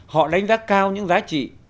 họ đánh giá cao những giá trị